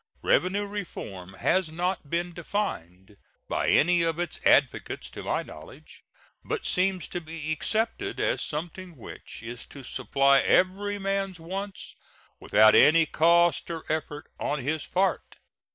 Revenue reform has not been defined by any of its advocates to my knowledge, but seems to be accepted as something which is to supply every man's wants without any cost or effort on his part.